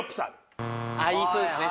言いそうっすね。